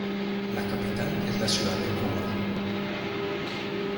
La capital es la ciudad de Quba.